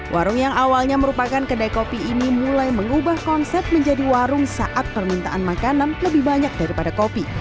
warung yang awalnya merupakan kedai kopi ini mulai mengubah konsep menjadi warung saat permintaan makanan lebih banyak daripada kopi